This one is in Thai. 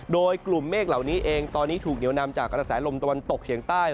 โดยกลุ่มเมฆเหล่านี้เองตอนนี้ถูกเหนียวนำจากกระแสลมตะวันตกเฉียงใต้